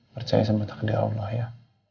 percaya sama sekali allah ya